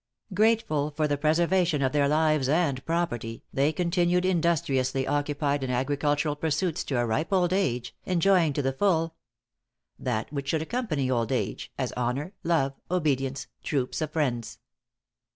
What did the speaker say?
Grateful for the preservation of their lives and property, they continued industriously occupied in agricultural pursuits to a ripe old age, enjoying to the full= ```"That which should accompany old age, ```As honor, love, obedience, troops of friends."